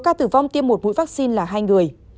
ca tử vong tiêm một mũi vaccine là hai người